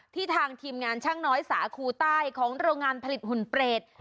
ทางทีมงานช่างน้อยสาคูใต้ของโรงงานผลิตหุ่นเปรต